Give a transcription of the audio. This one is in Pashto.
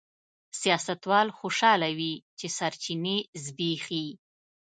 سیاستوال خوشاله وي چې سرچینې زبېښي.